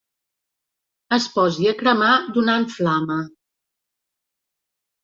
Es posi a cremar donant flama.